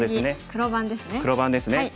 黒番ですね。